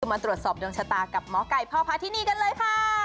มาตรวจสอบดวงชะตากับหมอไก่พ่อพาที่นี่กันเลยค่ะ